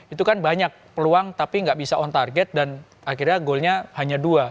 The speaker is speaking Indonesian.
itu kan banyak peluang tapi nggak bisa on target dan akhirnya goalnya hanya dua